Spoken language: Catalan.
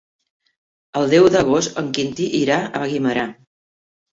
El deu d'agost en Quintí irà a Guimerà.